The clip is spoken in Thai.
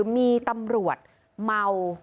มีตำรวจเมา